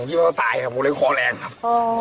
ผมคิดว่าตายครับผมเลยขอแรงครับอ๋อ